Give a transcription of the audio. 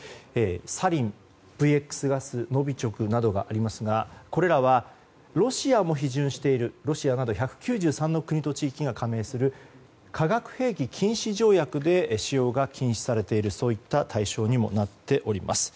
サリンやＶＸガスノビチョクなどがありますがこれらはロシアも批准しているロシアなど１９３の国と地域が加盟する化学兵器禁止条約で使用が禁止されているそういった対象にもなっております。